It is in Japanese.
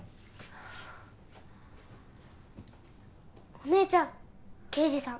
お姉ちゃん刑事さん